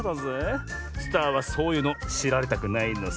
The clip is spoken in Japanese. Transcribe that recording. スターはそういうのしられたくないのさ！